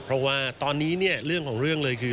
เพราะว่าตอนนี้เนี่ยเรื่องของเรื่องเลยคือ